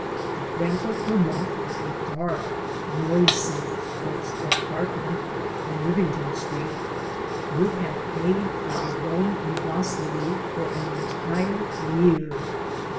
The rental per month for a dark, noisome "apartment" on Rivington Street would have paid for a dwelling in Vaslui for an entire year.